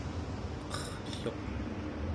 qerrluq